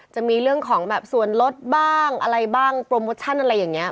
จะมีเรื่องของแบบส่วนลดบ้างอะไรบ้างโปรโมชั่นอะไรอย่างนี้